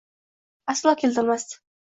Aslo keltirmasdi.